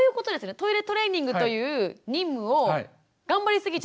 トイレトレーニングという任務を頑張りすぎちゃって。